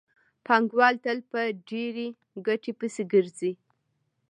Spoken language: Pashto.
پانګوال تل په ډېرې ګټې پسې ګرځي